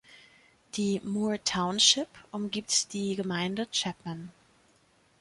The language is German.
Die Moore-Township umgibt die Gemeinde Chapman.